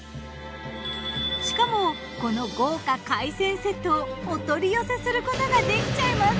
しかもこの豪華海鮮セットをお取り寄せすることができちゃいます！